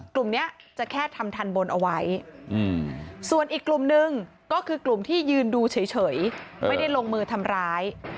กลุ่มนี้จะแค่ทำทันบนเอาไว้ส่วนอีกกลุ่มนึงก็คือกลุ่มที่ยืนดูเฉยไม่ได้ลงมือทำร้าย